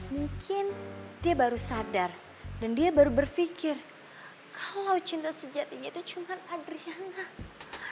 mungkin dia baru sadar dan dia baru berpikir kalau cinta sejatinya itu cuma adriana